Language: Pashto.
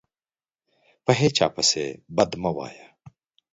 په هیچا پسي بد مه وایه